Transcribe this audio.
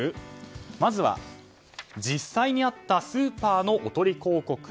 まずは実際にあったスーパーのおとり広告。